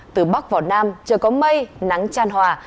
từ bắc vào nam trời có mây nắng tràn hòa